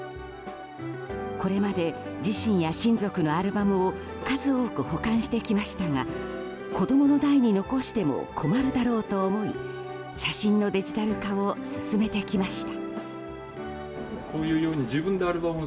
これまで自身や親族のアルバムを数多く保管してきましたが子供の代に残しても困るだろうと思い写真のデジタル化を進めてきました。